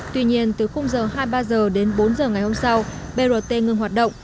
tuy nhiên từ giờ hai mươi ba h đến bốn h ngày hôm sau brt ngừng hoạt động